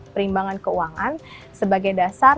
pembinaan keuangan sebagai dasar